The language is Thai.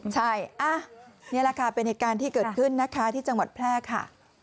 ใช่นี่แหละค่ะเป็นเหตุการณ์ที่เกิดขึ้นนะคะที่จังหวัดแพร่ค่ะ